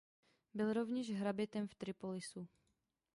Byl rovněž hrabětem v Tripolisu.